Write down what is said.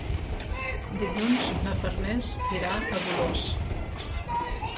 Dilluns na Farners irà a Dolors.